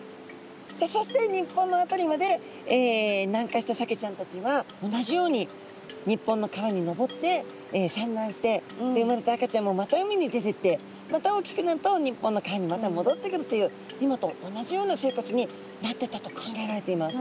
そして日本の辺りまで南下したサケちゃんたちは同じように日本の川に上って産卵してで生まれた赤ちゃんもまた海に出てってまた大きくなると日本の川にまたもどってくるという今と同じような生活になってったと考えられています。